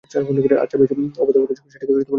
আচ্ছা বেশ, অপদেবতাই সই, সেটাকে নইলে কাজ এগোয় না।